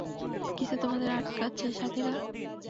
কিসে তোমাদের আটকাচ্ছে, সাথীরা?